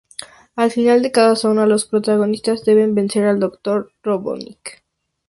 Al final de cada zona, los protagonistas deben vencer al Dr. Robotnik.